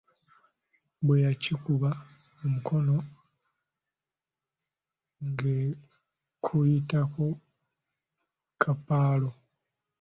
Bwe yagikuba omukono, ng'ekuyitako kapaalo.